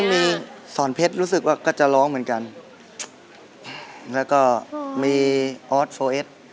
มีออสโซเอส